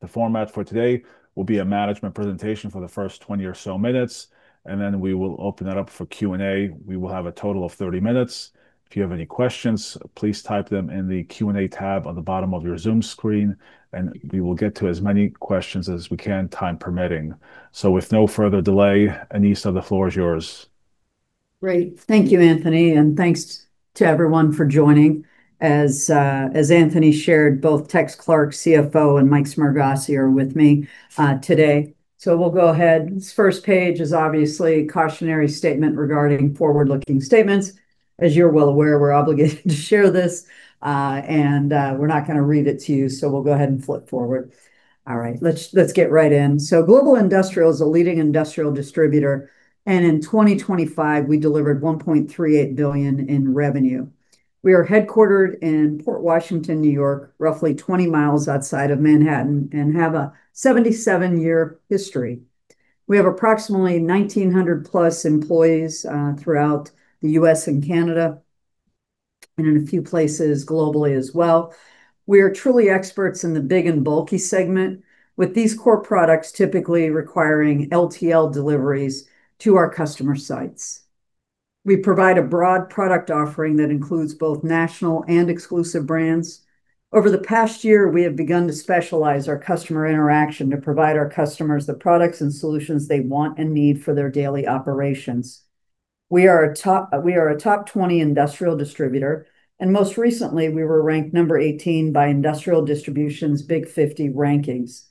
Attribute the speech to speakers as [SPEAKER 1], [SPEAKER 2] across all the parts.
[SPEAKER 1] The format for today will be a management presentation for the first 20 or so minutes, and then we will open it up for Q&A. We will have a total of 30 minutes. If you have any questions, please type them in the Q&A tab on the bottom of your Zoom screen, and we will get to as many questions as we can, time permitting. With no further delay, Anesa, the floor is yours.
[SPEAKER 2] Great. Thank you, Anthony, and thanks to everyone for joining. As Anthony shared, both Tex Clark, CFO, and Mike Smargiassi are with me today. We'll go ahead. This first page is obviously a cautionary statement regarding forward-looking statements. As you're well aware, we're obligated to share this, and we're not gonna read it to you, so we'll go ahead and flip forward. All right. Let's get right in. Global Industrial is a leading industrial distributor, and in 2025 we delivered $1.38 billion in revenue. We are headquartered in Port Washington, New York, roughly 20 miles outside of Manhattan, and have a 77-year history. We have approximately 1,900+ employees throughout the U.S. and Canada, and in a few places globally as well. We're truly experts in the big and bulky segment, with these core products typically requiring LTL deliveries to our customer sites. We provide a broad product offering that includes both national and exclusive brands. Over the past year, we have begun to specialize our customer interaction to provide our customers the products and solutions they want and need for their daily operations. We are a top 20 industrial distributor, and most recently, we were ranked number 18 by Industrial Distribution's Big 50 List.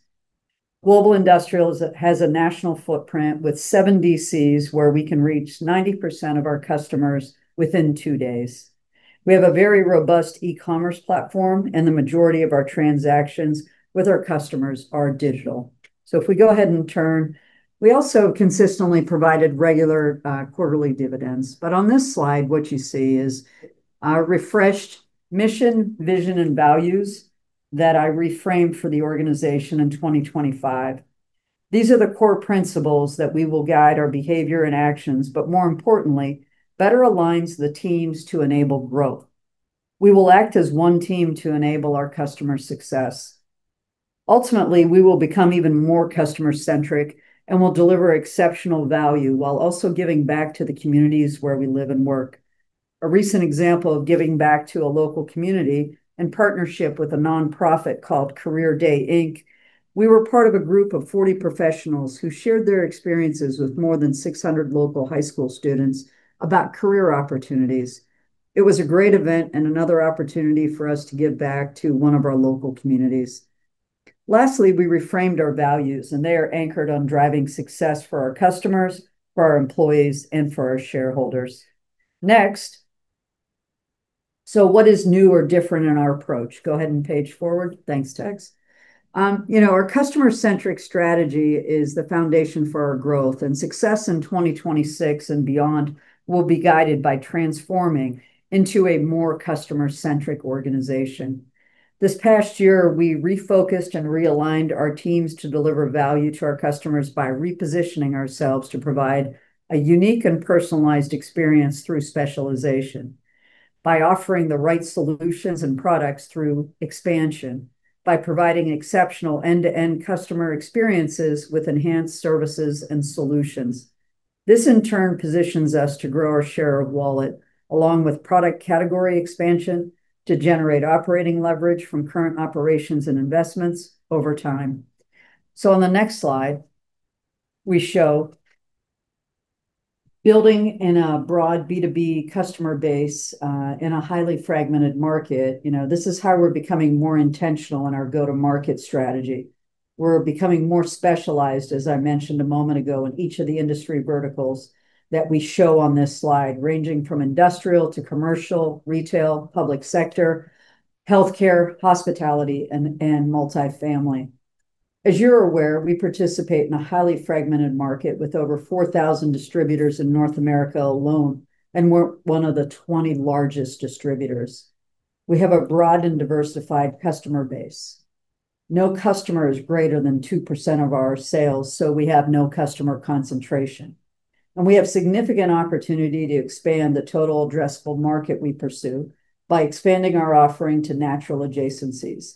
[SPEAKER 2] Global Industrial has a national footprint with 7 DCs where we can reach 90% of our customers within 2 days. We have a very robust e-commerce platform, and the majority of our transactions with our customers are digital. We also consistently provided regular quarterly dividends. On this slide, what you see is our refreshed mission, vision, and values that I reframed for the organization in 2025. These are the core principles that we will guide our behavior and actions, but more importantly, better aligns the teams to enable growth. We will act as one team to enable our customers' success. Ultimately, we will become even more customer-centric and will deliver exceptional value while also giving back to the communities where we live and work. A recent example of giving back to a local community in partnership with a nonprofit called Career Day Inc. We were part of a group of 40 professionals who shared their experiences with more than 600 local high school students about career opportunities. It was a great event and another opportunity for us to give back to one of our local communities. Lastly, we reframed our values, and they are anchored on driving success for our customers, for our employees, and for our shareholders. Next. What is new or different in our approach? Go ahead and page forward. Thanks, Tex. You know, our customer-centric strategy is the foundation for our growth, and success in 2026 and beyond will be guided by transforming into a more customer-centric organization. This past year, we refocused and realigned our teams to deliver value to our customers by repositioning ourselves to provide a unique and personalized experience through specialization, by offering the right solutions and products through expansion, by providing exceptional end-to-end customer experiences with enhanced services and solutions. This in turn positions us to grow our share of wallet, along with product category expansion to generate operating leverage from current operations and investments over time. On the next slide, we show building in a broad B2B customer base in a highly fragmented market. You know, this is how we're becoming more intentional in our go-to-market strategy. We're becoming more specialized, as I mentioned a moment ago, in each of the industry verticals that we show on this slide, ranging from industrial to commercial, retail, public sector, healthcare, hospitality, and multifamily. As you're aware, we participate in a highly fragmented market with over 4,000 distributors in North America alone, and we're one of the 20 largest distributors. We have a broad and diversified customer base. No customer is greater than 2% of our sales, so we have no customer concentration. We have significant opportunity to expand the total addressable market we pursue by expanding our offering to natural adjacencies.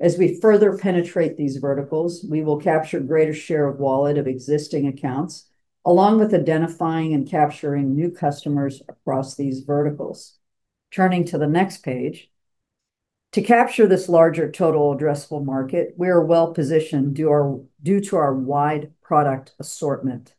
[SPEAKER 2] As we further penetrate these verticals, we will capture greater share of wallet of existing accounts, along with identifying and capturing new customers across these verticals. Turning to the next page. To capture this larger total addressable market, we are well-positioned due to our wide product assortment.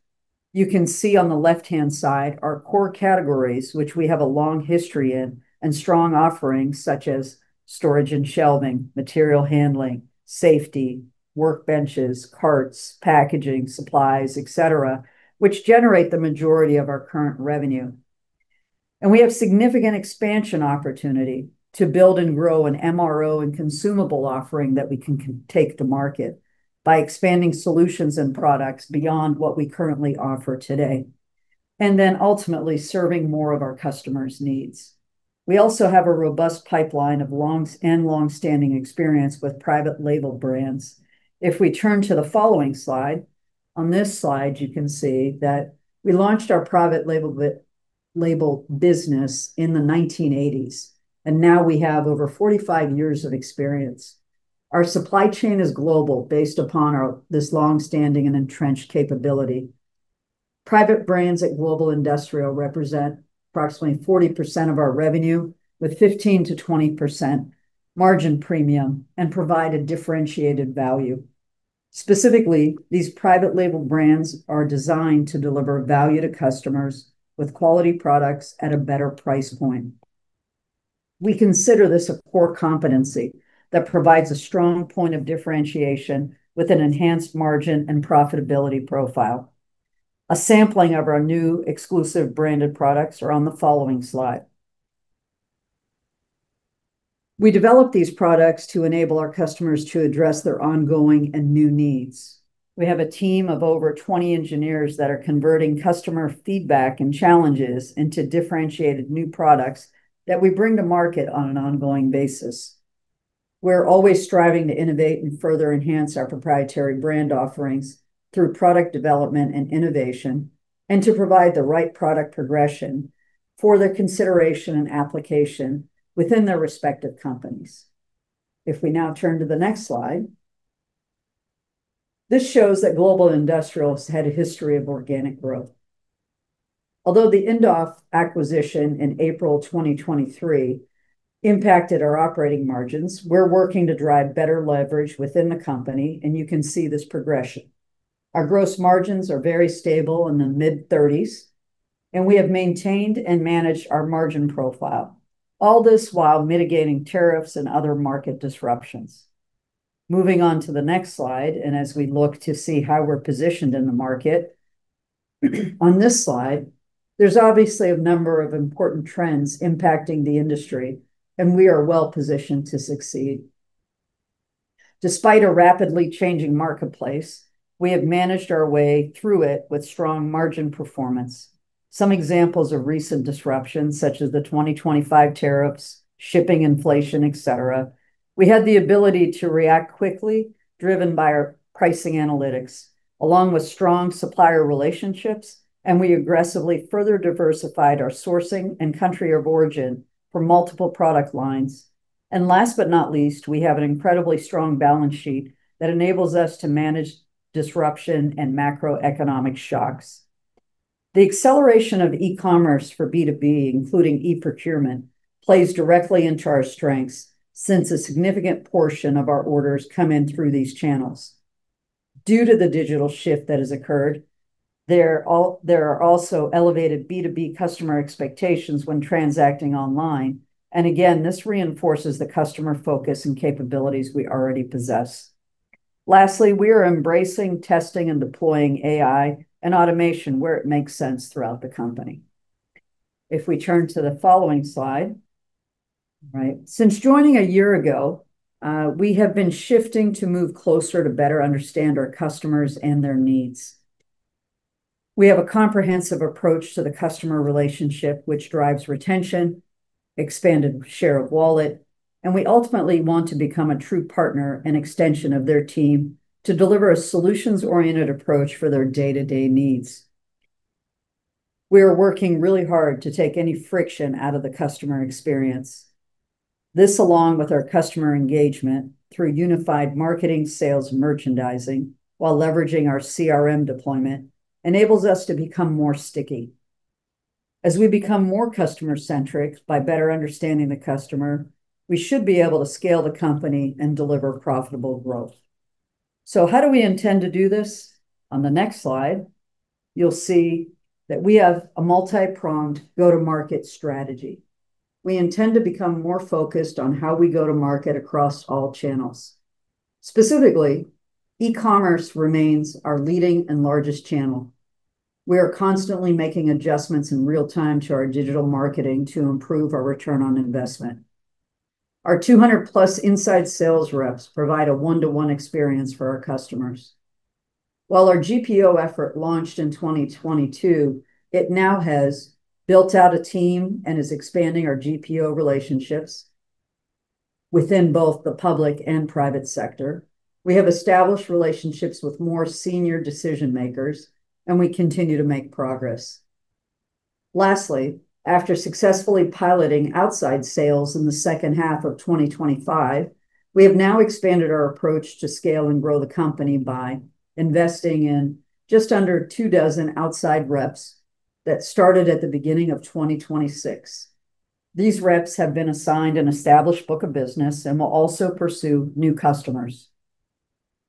[SPEAKER 2] You can see on the left-hand side our core categories, which we have a long history in and strong offerings, such as storage and shelving, material handling, safety, workbenches, carts, packaging, supplies, et cetera, which generate the majority of our current revenue. We have significant expansion opportunity to build and grow an MRO and consumable offering that we can take to market by expanding solutions and products beyond what we currently offer today. Ultimately, serving more of our customers' needs. We also have a robust pipeline of long-standing experience with private label brands. If we turn to the following slide, on this slide you can see that we launched our private label business in the 1980s, and now we have over 45 years of experience. Our supply chain is global based upon our long-standing and entrenched capability. Private brands at Global Industrial represent approximately 40% of our revenue with 15%-20% margin premium and provide a differentiated value. Specifically, these private label brands are designed to deliver value to customers with quality products at a better price point. We consider this a core competency that provides a strong point of differentiation with an enhanced margin and profitability profile. A sampling of our new exclusive branded products are on the following slide. We develop these products to enable our customers to address their ongoing and new needs. We have a team of over 20 engineers that are converting customer feedback and challenges into differentiated new products that we bring to market on an ongoing basis. We're always striving to innovate and further enhance our proprietary brand offerings through product development and innovation, and to provide the right product progression for their consideration and application within their respective companies. If we now turn to the next slide, this shows that Global Industrial has had a history of organic growth. Although the Indoff acquisition in April 2023 impacted our operating margins, we're working to drive better leverage within the company, and you can see this progression. Our gross margins are very stable in the mid-30s%, and we have maintained and managed our margin profile, all this while mitigating tariffs and other market disruptions. Moving on to the next slide, and as we look to see how we're positioned in the market, on this slide, there's obviously a number of important trends impacting the industry, and we are well-positioned to succeed. Despite a rapidly changing marketplace, we have managed our way through it with strong margin performance. Some examples of recent disruptions, such as the 2025 tariffs, shipping inflation, et cetera. We had the ability to react quickly, driven by our pricing analytics, along with strong supplier relationships, and we aggressively further diversified our sourcing and country of origin for multiple product lines. Last but not least, we have an incredibly strong balance sheet that enables us to manage disruption and macroeconomic shocks. The acceleration of e-commerce for B2B, including e-procurement, plays directly into our strengths since a significant portion of our orders come in through these channels. Due to the digital shift that has occurred, there are also elevated B2B customer expectations when transacting online, and again, this reinforces the customer focus and capabilities we already possess. Lastly, we are embracing, testing, and deploying AI and automation where it makes sense throughout the company. If we turn to the following slide, right? Since joining a year ago, we have been shifting to move closer to better understand our customers and their needs. We have a comprehensive approach to the customer relationship, which drives retention, expanded share of wallet, and we ultimately want to become a true partner and extension of their team to deliver a solutions-oriented approach for their day-to-day needs. We are working really hard to take any friction out of the customer experience. This, along with our customer engagement through unified marketing, sales, and merchandising while leveraging our CRM deployment, enables us to become more sticky. As we become more customer-centric by better understanding the customer, we should be able to scale the company and deliver profitable growth. How do we intend to do this? On the next slide, you'll see that we have a multi-pronged go-to-market strategy. We intend to become more focused on how we go to market across all channels. Specifically, e-commerce remains our leading and largest channel. We are constantly making adjustments in real time to our digital marketing to improve our return on investment. Our 200-plus inside sales reps provide a one-to-one experience for our customers. While our GPO effort launched in 2022, it now has built out a team and is expanding our GPO relationships within both the public and private sector. We have established relationships with more senior decision-makers, and we continue to make progress. Lastly, after successfully piloting outside sales in the second half of 2025, we have now expanded our approach to scale and grow the company by investing in just under 24 outside reps that started at the beginning of 2026. These reps have been assigned an established book of business and will also pursue new customers.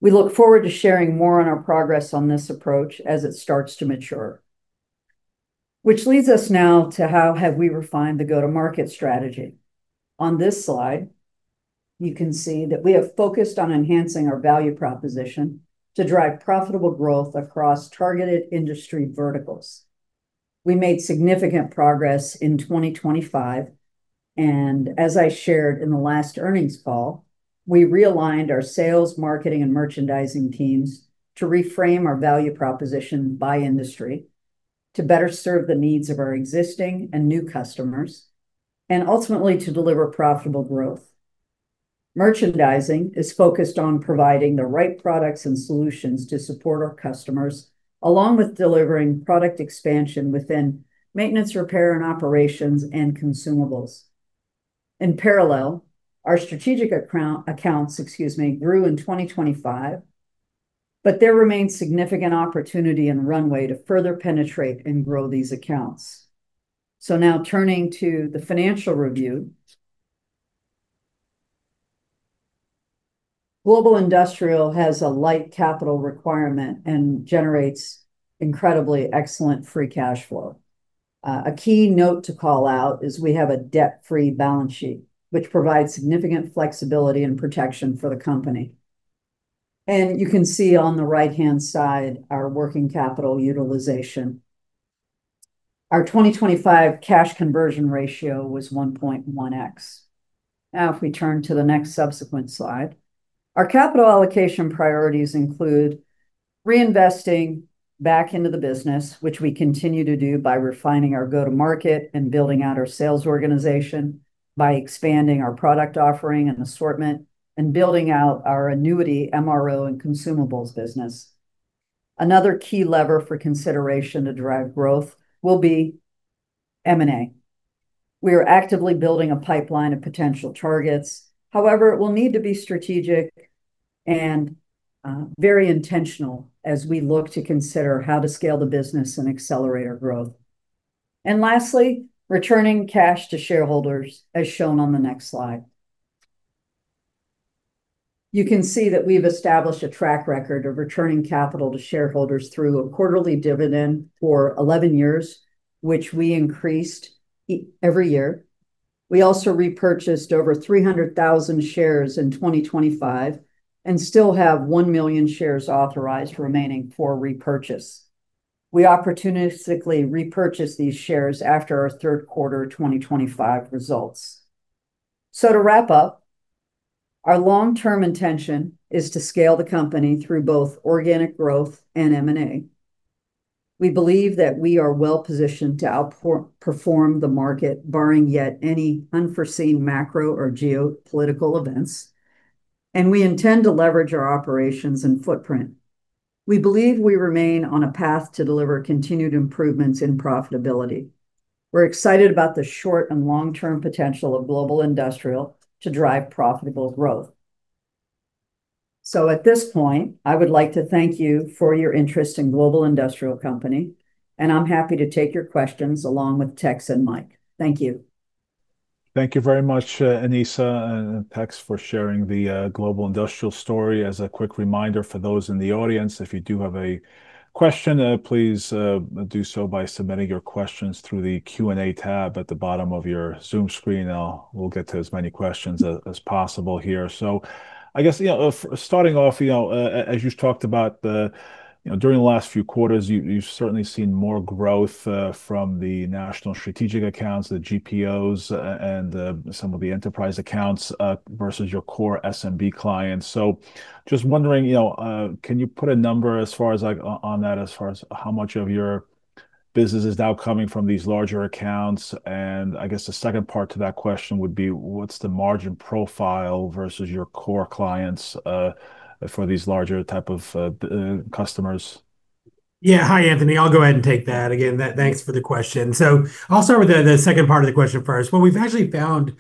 [SPEAKER 2] We look forward to sharing more on our progress on this approach as it starts to mature. Which leads us now to how we have refined the go-to-market strategy. On this slide, you can see that we have focused on enhancing our value proposition to drive profitable growth across targeted industry verticals. We made significant progress in 2025, and as I shared in the last earnings call, we realigned our sales, marketing, and merchandising teams to reframe our value proposition by industry to better serve the needs of our existing and new customers and ultimately to deliver profitable growth. Merchandising is focused on providing the right products and solutions to support our customers, along with delivering product expansion within maintenance, repair and operations and consumables. In parallel, our strategic accounts, excuse me, grew in 2025, but there remains significant opportunity and runway to further penetrate and grow these accounts. Now turning to the financial review. Global Industrial has a light capital requirement and generates incredibly excellent free cash flow. A key note to call out is we have a debt-free balance sheet, which provides significant flexibility and protection for the company. You can see on the right-hand side our working capital utilization. Our 2025 cash conversion ratio was 1.1x. Now, if we turn to the next subsequent slide. Our capital allocation priorities include reinvesting back into the business, which we continue to do by refining our go-to-market and building out our sales organization, by expanding our product offering and assortment, and building out our annuity MRO and consumables business. Another key lever for consideration to drive growth will be M&A. We are actively building a pipeline of potential targets. However, it will need to be strategic and very intentional as we look to consider how to scale the business and accelerate our growth. Lastly, returning cash to shareholders, as shown on the next slide. You can see that we've established a track record of returning capital to shareholders through a quarterly dividend for 11 years, which we increased every year. We also repurchased over 300,000 shares in 2025 and still have 1 million shares authorized remaining for repurchase. We opportunistically repurchased these shares after our Q3 2025 results. To wrap up, our long-term intention is to scale the company through both organic growth and M&A. We believe that we are well-positioned to perform the market, barring yet any unforeseen macro or geopolitical events, and we intend to leverage our operations and footprint. We believe we remain on a path to deliver continued improvements in profitability. We're excited about the short and long-term potential of Global Industrial to drive profitable growth. At this point, I would like to thank you for your interest in Global Industrial Company, and I'm happy to take your questions along with Tex and Mike. Thank you.
[SPEAKER 1] Thank you very much, Anesa and Tex for sharing the Global Industrial story. As a quick reminder for those in the audience, if you do have a question, please do so by submitting your questions through the Q&A tab at the bottom of your Zoom screen. We'll get to as many questions as possible here. I guess, you know, starting off, you know, as you talked about, you know, during the last few quarters, you've certainly seen more growth from the national strategic accounts, the GPOs and some of the enterprise accounts versus your core SMB clients. Just wondering, you know, can you put a number as far as like on that as far as how much of your business is now coming from these larger accounts? I guess the second part to that question would be, what's the margin profile versus your core clients, for these larger type of customers?
[SPEAKER 3] Yeah. Hi, Anthony. I'll go ahead and take that. Again, thanks for the question. I'll start with the second part of the question first. What we've actually found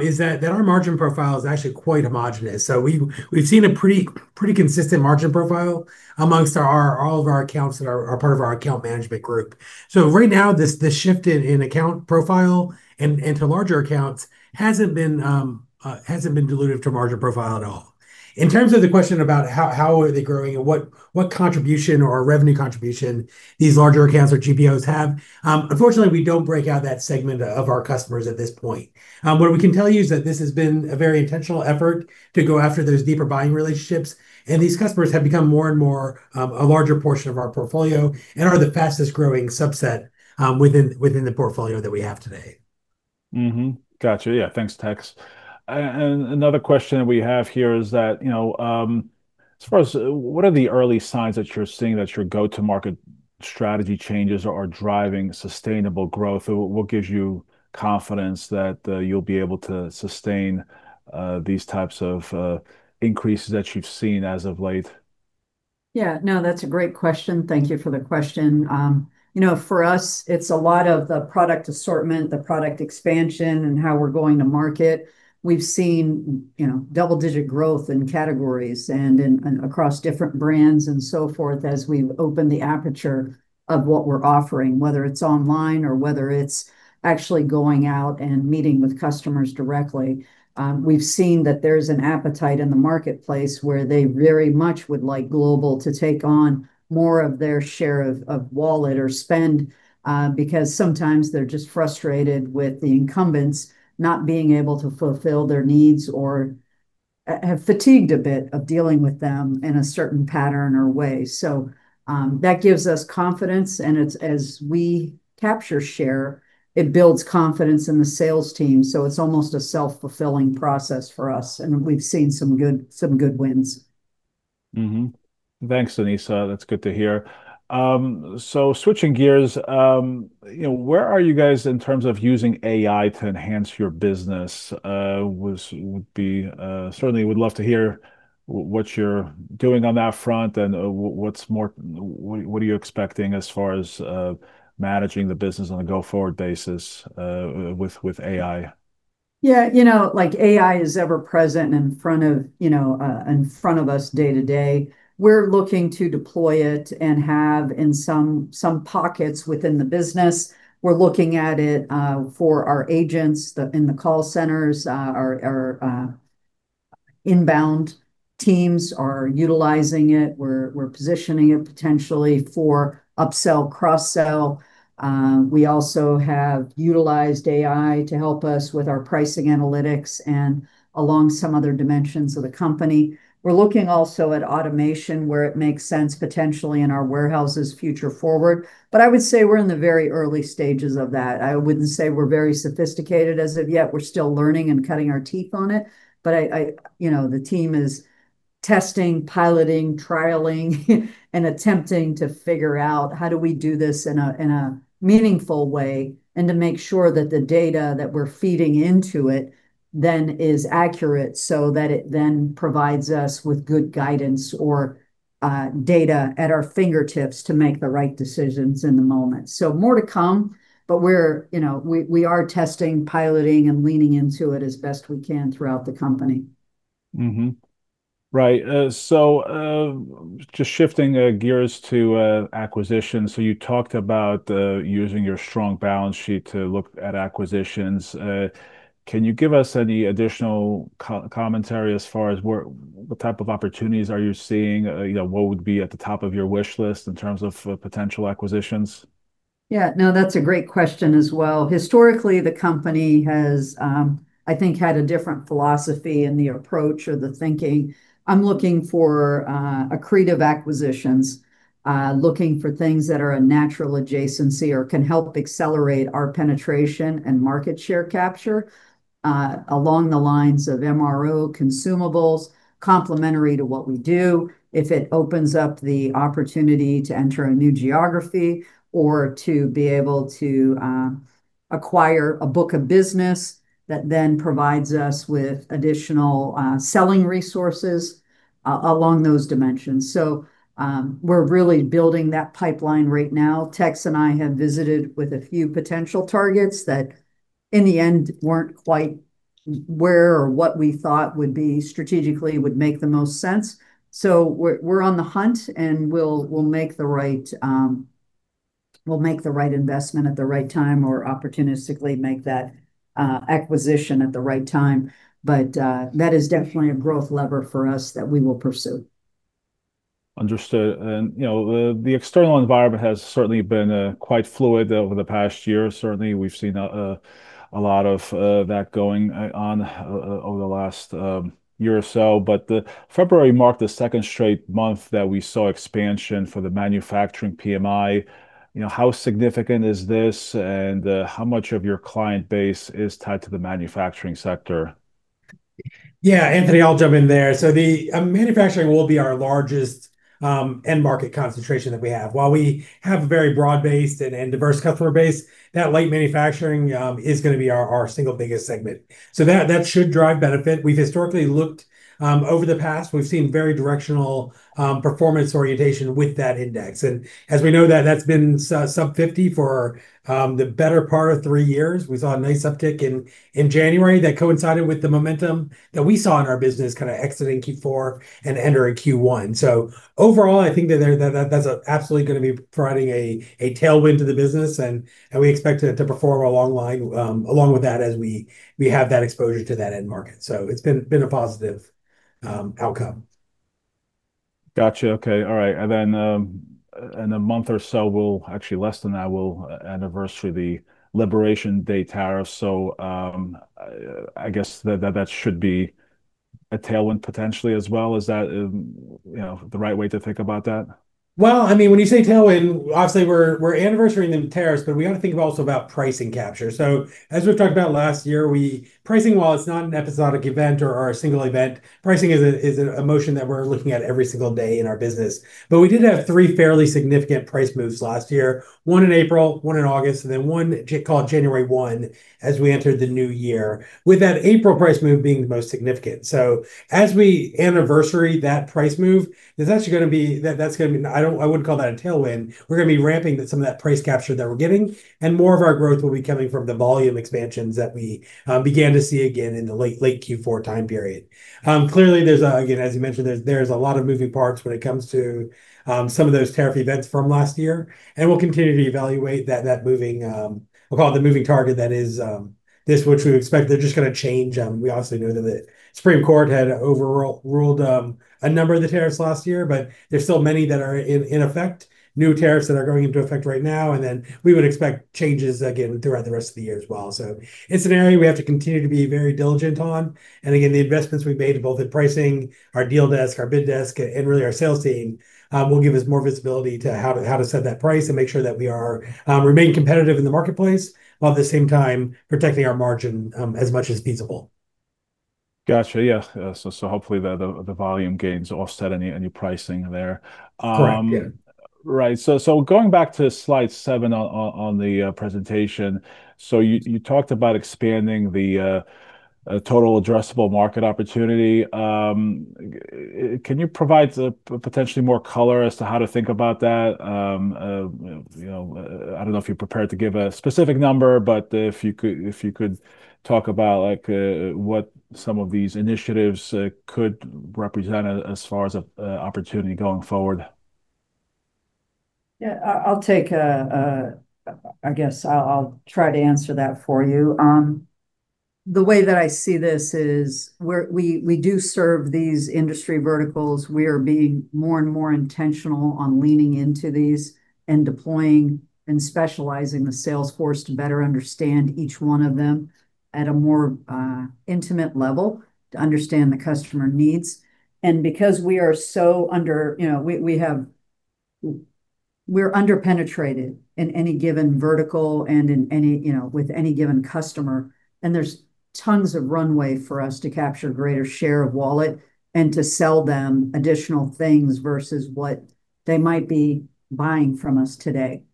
[SPEAKER 3] is that our margin profile is actually quite homogeneous. We've seen a pretty consistent margin profile among all of our accounts that are part of our account management group. Right now, this shift in account profile and to larger accounts hasn't been dilutive to our margin profile at all. In terms of the question about how are they growing and what contribution or revenue contribution these larger accounts or GPOs have, unfortunately, we don't break out that segment of our customers at this point. What we can tell you is that this has been a very intentional effort to go after those deeper buying relationships, and these customers have become more and more, a larger portion of our portfolio and are the fastest-growing subset, within the portfolio that we have today.
[SPEAKER 1] Mm-hmm. Gotcha. Yeah. Thanks, Tex. Another question we have here is that, you know, as far as what are the early signs that you're seeing that your go-to-market strategy changes are driving sustainable growth? What gives you confidence that you'll be able to sustain these types of increases that you've seen as of late?
[SPEAKER 2] Yeah. No, that's a great question. Thank you for the question. You know, for us, it's a lot of the product assortment, the product expansion, and how we're going to market. We've seen, you know, double-digit growth in categories and across different brands and so forth as we've opened the aperture of what we're offering, whether it's online or whether it's actually going out and meeting with customers directly. We've seen that there's an appetite in the marketplace where they very much would like Global to take on more of their share of wallet or spend, because sometimes they're just frustrated with the incumbents not being able to fulfill their needs or have fatigued a bit of dealing with them in a certain pattern or way. that gives us confidence, and it's as we capture share, it builds confidence in the sales team, so it's almost a self-fulfilling process for us, and we've seen some good wins.
[SPEAKER 1] Thanks, Anesa. That's good to hear. Switching gears, you know, where are you guys in terms of using AI to enhance your business? Certainly would love to hear what you're doing on that front and, what's more, what are you expecting as far as managing the business on a go forward basis with AI?
[SPEAKER 2] Yeah, you know, like, AI is ever present in front of, you know, in front of us day to day. We're looking to deploy it and have in some pockets within the business. We're looking at it for our agents in the call centers. Our inbound teams are utilizing it. We're positioning it potentially for upsell, cross-sell. We also have utilized AI to help us with our pricing analytics and along some other dimensions of the company. We're looking also at automation where it makes sense potentially in our warehouses future forward. I would say we're in the very early stages of that. I wouldn't say we're very sophisticated as of yet. We're still learning and cutting our teeth on it. I, you know, the team is testing, piloting, trialing and attempting to figure out how do we do this in a meaningful way and to make sure that the data that we're feeding into it then is accurate so that it then provides us with good guidance or data at our fingertips to make the right decisions in the moment. More to come, but we're, you know, we are testing, piloting and leaning into it as best we can throughout the company.
[SPEAKER 1] Just shifting gears to acquisition. You talked about using your strong balance sheet to look at acquisitions. Can you give us any additional commentary as far as where, what type of opportunities are you seeing? You know, what would be at the top of your wish list in terms of potential acquisitions?
[SPEAKER 2] Yeah. No, that's a great question as well. Historically, the company has, I think had a different philosophy in the approach or the thinking. I'm looking for accretive acquisitions, looking for things that are a natural adjacency or can help accelerate our penetration and market share capture, along the lines of MRO consumables complementary to what we do. If it opens up the opportunity to enter a new geography or to be able to acquire a book of business that then provides us with additional selling resources, along those dimensions. We're really building that pipeline right now. Tex and I have visited with a few potential targets that in the end weren't quite where or what we thought would be strategically would make the most sense. We're on the hunt, and we'll make the right investment at the right time or opportunistically make that acquisition at the right time. That is definitely a growth lever for us that we will pursue.
[SPEAKER 1] Understood. You know, the external environment has certainly been quite fluid over the past year. Certainly we've seen a lot of that going on over the last year or so. February marked the second straight month that we saw expansion for the manufacturing PMI. You know, how significant is this and how much of your client base is tied to the manufacturing sector?
[SPEAKER 3] Yeah, Anthony, I'll jump in there. The manufacturing will be our largest end market concentration that we have. While we have a very broad base and diverse customer base, that light manufacturing is gonna be our single biggest segment. That should drive benefit. We've historically looked over the past; we've seen very directional performance orientation with that index. As we know, that's been sub-50 for the better part of three years. We saw a nice uptick in January that coincided with the momentum that we saw in our business kind of exiting Q4 and entering Q1. Overall, I think that's absolutely gonna be providing a tailwind to the business and we expect it to perform in line with that as we have that exposure to that end market. It's been a positive outcome.
[SPEAKER 1] Gotcha. Okay. All right. Then, in a month or so, actually less than that, we'll anniversary the Liberation Day tariffs. I guess that should be a tailwind potentially as well. Is that, you know, the right way to think about that?
[SPEAKER 3] Well, I mean, when you say tailwind, obviously we're anniversarying the tariffs, but we ought to think of also about pricing capture. As we've talked about last year, pricing, while it's not an episodic event or a single event, pricing is a motion that we're looking at every single day in our business. We did have three fairly significant price moves last year, one in April, one in August, and then one in January as we entered the new year, with that April price move being the most significant. As we anniversary that price move, that's actually gonna be, that's gonna be. I wouldn't call that a tailwind. We're gonna be ramping that some of that price capture that we're getting and more of our growth will be coming from the volume expansions that we began to see again in the late Q4 time period. Clearly there's again, as you mentioned, a lot of moving parts when it comes to some of those tariff events from last year, and we'll continue to evaluate that moving, I'll call it the moving target, that is, this which we expect they're just gonna change. We obviously know that the Supreme Court had overruled a number of the tariffs last year, but there's still many that are in effect, new tariffs that are going into effect right now, and then we would expect changes again throughout the rest of the year as well. It's an area we have to continue to be very diligent on. Again, the investments we've made both in pricing, our deal desk, our bid desk, and really our sales team will give us more visibility to how to set that price and make sure that we remain competitive in the marketplace, while at the same time protecting our margin, as much as feasible.
[SPEAKER 1] Gotcha. Yeah. So hopefully the volume gains offset any pricing there.
[SPEAKER 2] Correct. Yeah.
[SPEAKER 1] Right. Going back to slide seven on the presentation. You talked about expanding the total addressable market opportunity. Can you provide potentially more color as to how to think about that? You know, I don't know if you're prepared to give a specific number, but if you could talk about like what some of these initiatives could represent as far as opportunity going forward.
[SPEAKER 2] Yeah. I'll try to answer that for you. The way that I see this is where we do serve these industry verticals. We are being more and more intentional on leaning into these and deploying and specializing the sales force to better understand each one of them at a more intimate level to understand the customer needs. Because we are so underpenetrated. You know, we're under-penetrated in any given vertical and in any, you know, with any given customer, and there's tons of runway for us to capture greater share of wallet and to sell them additional things versus what they might be buying from us today.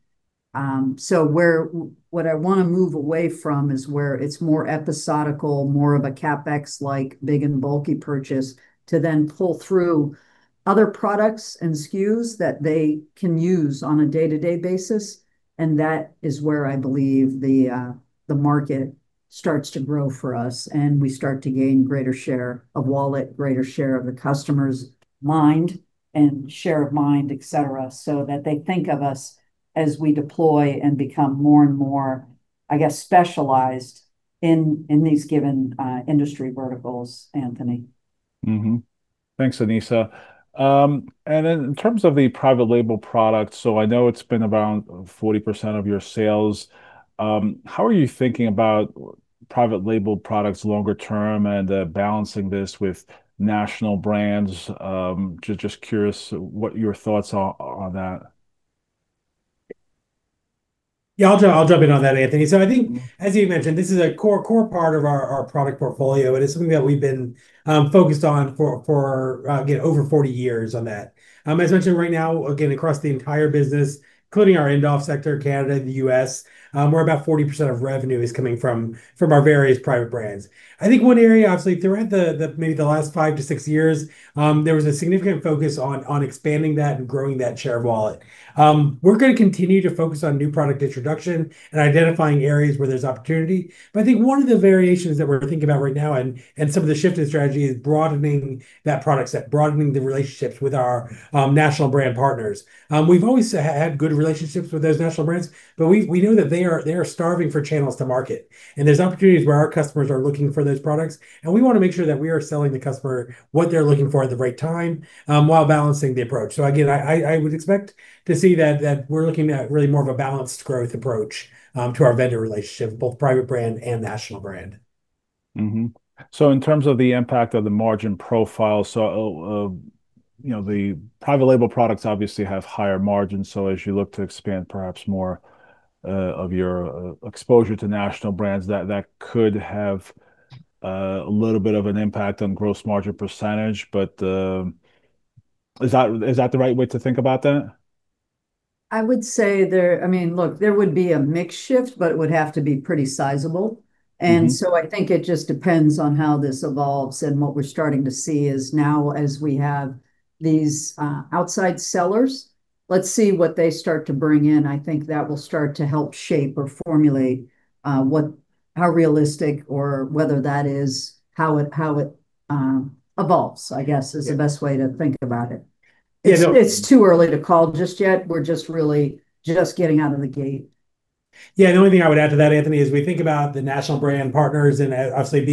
[SPEAKER 2] Where what I want to move away from is where it's more episodic, more of a CapEx like big and bulky purchase to then pull through other products and SKUs that they can use on a day-to-day basis, and that is where I believe the market starts to grow for us, and we start to gain greater share of wallet, greater share of the customer's mind and share of mind, et cetera, so that they think of us as we deploy and become more and more, I guess, specialized in these given industry verticals, Anthony.
[SPEAKER 1] Thanks, Anesa. In terms of the private label product, I know it's been around 40% of your sales. How are you thinking about private label products longer term and balancing this with national brands? Just curious what your thoughts are on that.
[SPEAKER 3] Yeah. I'll jump in on that, Anthony. I think, as you mentioned, this is a core part of our product portfolio, and it's something that we've been focused on for, again, over 40 years on that. As mentioned right now, again, across the entire business, including our Indoff sector, Canada and the U.S., we're about 40% of revenue is coming from our various private brands. I think one area, obviously, throughout the maybe the last 5-6 years, there was a significant focus on expanding that and growing that share of wallet. We're gonna continue to focus on new product introduction and identifying areas where there's opportunity. I think one of the variations that we're thinking about right now and some of the shift in strategy is broadening that product set, broadening the relationships with our national brand partners. We've always had good relationships with those national brands, but we know that they are starving for channels to market, and there's opportunities where our customers are looking for those products, and we wanna make sure that we are selling the customer what they're looking for at the right time, while balancing the approach. Again, I would expect to see that we're looking at really more of a balanced growth approach to our vendor relationship, both private brand and national brand.
[SPEAKER 1] Mm-hmm. In terms of the impact of the margin profile, you know, the private label products obviously have higher margins. As you look to expand perhaps more of your exposure to national brands, that could have a little bit of an impact on gross margin percentage. Is that the right way to think about that?
[SPEAKER 2] I mean, look, there would be a mix shift, but it would have to be pretty sizable. I think it just depends on how this evolves. What we're starting to see is now, as we have these outside sellers, let's see what they start to bring in. I think that will start to help shape or formulate how realistic or whether that is, how it evolves, I guess is the best way to think about it.
[SPEAKER 1] Yeah, no.
[SPEAKER 2] It's too early to call just yet. We're just really just getting out of the gate.
[SPEAKER 3] Yeah. The only thing I would add to that, Anthony, is we think about the national brand partners and, obviously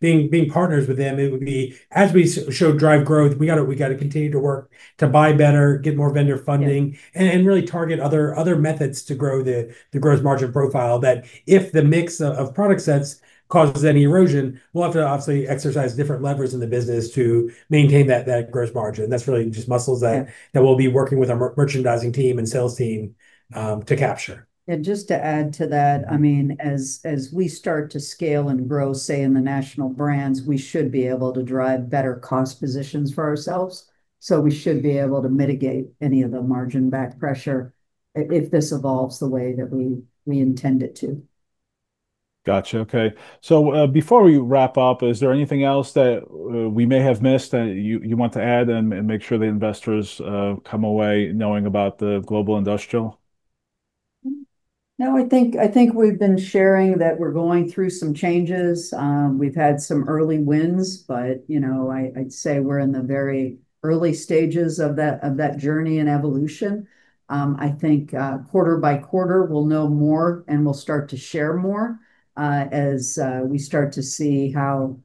[SPEAKER 3] being partners with them, it would be, as we show drive growth, we gotta continue to work to buy better, get more vendor funding.
[SPEAKER 2] Yeah
[SPEAKER 3] Really target other methods to grow the gross margin profile, that if the mix of product sets causes any erosion, we'll have to obviously exercise different levers in the business to maintain that gross margin. That's really just muscles that
[SPEAKER 2] Yeah
[SPEAKER 3] That we'll be working with our merchandising team and sales team to capture.
[SPEAKER 2] Just to add to that. I mean, as we start to scale and grow, say, in the national brands, we should be able to drive better cost positions for ourselves. We should be able to mitigate any of the margin back pressure if this evolves the way that we intend it to.
[SPEAKER 1] Gotcha. Okay. Before we wrap up, is there anything else that we may have missed that you want to add and make sure the investors come away knowing about the Global Industrial?
[SPEAKER 2] No, I think we've been sharing that we're going through some changes. We've had some early wins, but you know, I'd say we're in the very early stages of that journey and evolution. I think quarter by quarter we'll know more, and we'll start to share more as we start to see how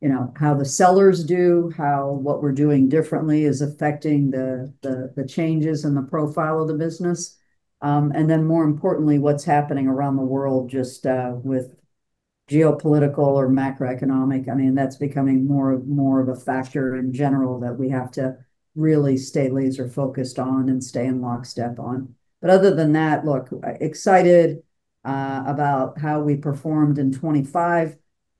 [SPEAKER 2] you know, how the sellers do, how what we're doing differently is affecting the changes in the profile of the business. More importantly, what's happening around the world just with geopolitical or macroeconomic. I mean, that's becoming more of a factor in general that we have to really stay laser focused on and stay in lockstep on. Other than that, look, excited about how we performed in 2025.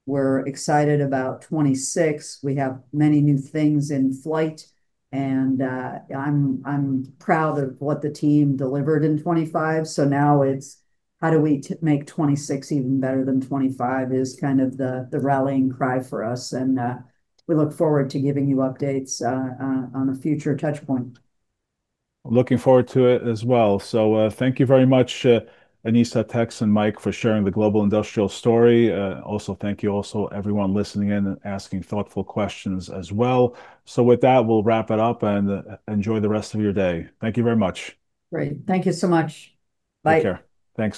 [SPEAKER 2] We're excited about 2026. We have many new things in flight, and I'm proud of what the team delivered in 2025. Now it's how do we make 2026 even better than 2025 is kind of the rallying cry for us. We look forward to giving you updates on a future touchpoint.
[SPEAKER 1] I'm looking forward to it as well. Thank you very much, Anesa, Tex, and Mike for sharing the Global Industrial story. Also thank you also everyone listening in and asking thoughtful questions as well. With that, we'll wrap it up, and enjoy the rest of your day. Thank you very much.
[SPEAKER 2] Great. Thank you so much. Bye.
[SPEAKER 1] Take care. Thanks.